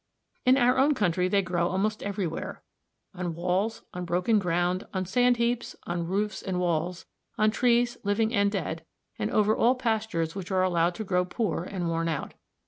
In our own country they grow almost everywhere on walls, on broken ground, on sand heaps, on roofs and walls, on trees living and dead, and over all pastures which are allowed to grow poor and worn out.